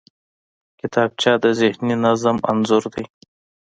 کتابچه د ذهني نظم انځور دی